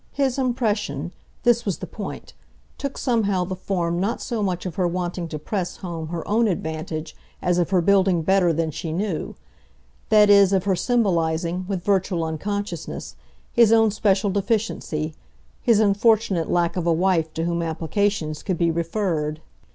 His impression this was the point took somehow the form not so much of her wanting to press home her own advantage as of her building better than she knew; that is of her symbolising, with virtual unconsciousness, his own special deficiency, his unfortunate lack of a wife to whom applications could be referred.